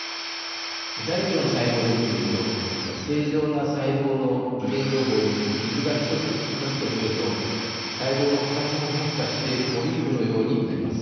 大腸の細胞で見てみると正常な細胞の遺伝情報にキズが１つ２つと増えると細胞の形も変化してポリープのようになります。